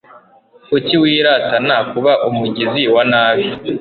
Kuki wiratana kuba umugizi wa nabi